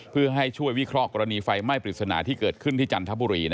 เพื่อให้ช่วยวิเคราะห์กรณีไฟไหม้ปริศนาที่เกิดขึ้นที่จันทบุรี